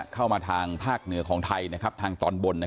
ทางภาคเหนือของไทยทางตอนบน